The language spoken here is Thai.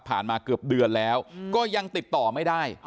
มาเกือบเดือนแล้วก็ยังติดต่อไม่ได้